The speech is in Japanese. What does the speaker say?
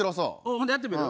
ほんならやってみる？